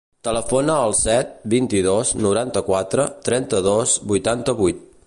Telefona al set, vint-i-dos, noranta-quatre, trenta-dos, vuitanta-vuit.